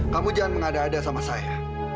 kamu jangan mengada ada sama saya